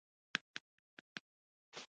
زه درته له سپېده داغه په تمه ناست وم.